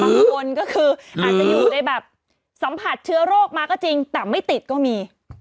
บางคนก็คืออาจจะอยู่ในแบบสัมผัสเชื้อโรคมาก็จริงแต่ไม่ติดก็มี